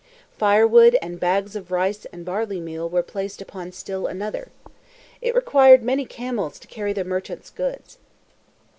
Firewood and bags of rice and barley meal were placed upon still another. It required many camels to carry the merchant's goods.